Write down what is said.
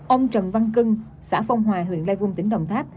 ông trần văn cưng xã phong hòa huyện lai vung tỉnh đồng tháp